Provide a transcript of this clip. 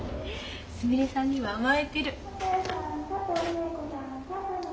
すみれさんには甘えてる。